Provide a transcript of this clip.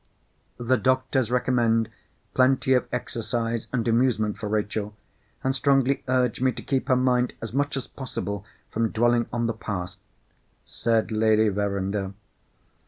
"The doctors recommend plenty of exercise and amusement for Rachel, and strongly urge me to keep her mind as much as possible from dwelling on the past," said Lady Verinder.